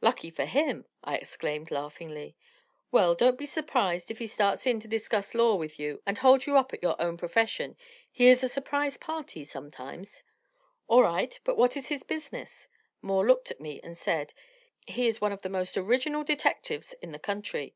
"Lucky for him," I exclaimed laughingly. "Well, don't be surprised if he starts in to discuss law with you, and holds you up at your own profession; he is a surprise party, sometimes." "All right, but what is his business?" Moore looked at me, and said: "He is one of the most original detectives in the country."